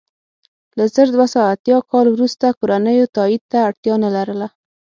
له زر دوه سوه اتیا کال وروسته کورنیو تایید ته اړتیا نه لرله.